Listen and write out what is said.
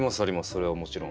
それはもちろん。